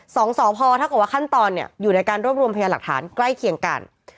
สองสพถ้าเกิดว่าขั้นตอนเนี่ยอยู่ในการรวบรวมพยานหลักฐานใกล้เคียงกัน